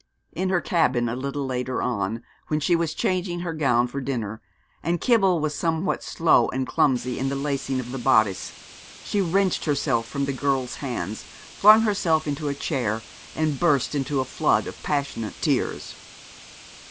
In her cabin a little later on, when she was changing her gown for dinner, and Kibble was somewhat slow and clumsy in the lacing of the bodice, she wrenched herself from the girl's hands, flung herself into a chair, and burst into a flood of passionate tears.